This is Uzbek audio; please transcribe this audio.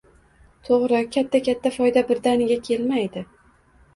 To’g’ri, katta-katta foyda birdaniga kelmaydi